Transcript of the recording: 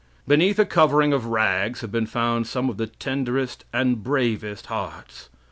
Beneath a covering of rags have been found some of the tenderest and bravest hearts.